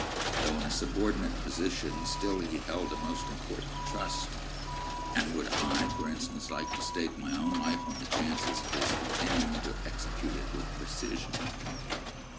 Though in a subordinate position, still he held a most important trust, and would I (for instance) like to stake my own life on the chances of his continuing to execute it with precision?